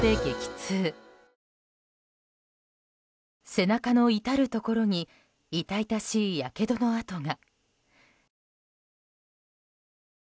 背中の至るところに痛々しい、やけどの痕が。